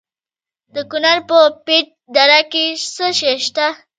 د کونړ په پيچ دره کې څه شی شته؟